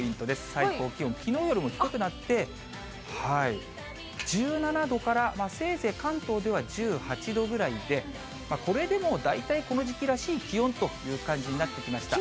最高気温、きのうよりも低くなって、１７度から、せいぜい関東では１８度ぐらいで、これでもう大体この時期らしい気温という感じになってきました。